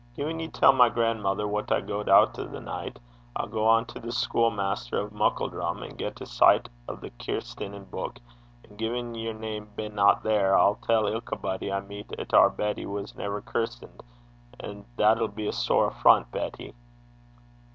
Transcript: Gin ye tell my grandmither that I gaed oot the nicht, I'll gang to the schuilmaister o' Muckledrum, and get a sicht o' the kirstenin' buik; an' gin yer name binna there, I'll tell ilkabody I meet 'at oor Betty was never kirstened; and that'll be a sair affront, Betty.'